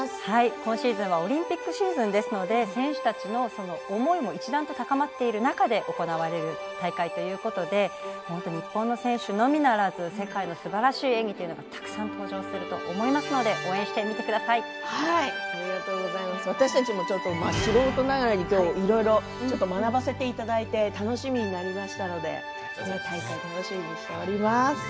今シーズンオリンピックシーズンですので選手たちの思いも一段と高まっている中で行われる大会ということで日本の選手のみならず世界のすばらしい演技がたくさん登場すると思いますので私たちも素人ながらにきょういろいろと学ばせていただいて楽しみになりましたので楽しみにしております。